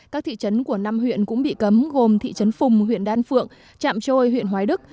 các thị trấn của năm huyện cũng bị cấm gồm thị trấn phùng huyện đan phượng trạm trôi huyện hoái đức